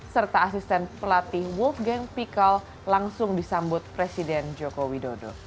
serta asisten pelatih wolf gang pikal langsung disambut presiden joko widodo